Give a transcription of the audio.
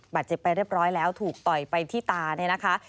บาดเจ็บไปเรียบร้อยแล้วถูกต่อยไปที่ตาเนี่ยนะคะ